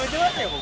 僕。